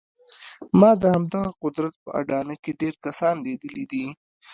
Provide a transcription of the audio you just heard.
ما د همدغه قدرت په اډانه کې ډېر کسان لیدلي دي